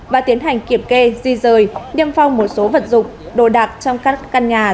và tiến hành kiểm kê di rời nhâm phong một số vật dục đồ đạc trong căn nhà